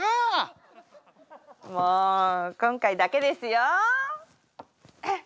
もう今回だけですよ？